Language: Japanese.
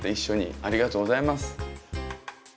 ありがとうございます。